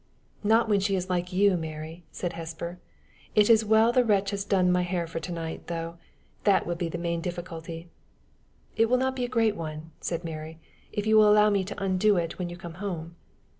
"Not when she is like you, Mary," said Hesper. "It is well the wretch has done my hair for to night, though! That will be the main difficulty." "It will not be a great one," said Mary, "if you will allow me to undo it when you come home."